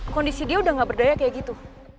kondisi dia udah gak berdaya kayak gitu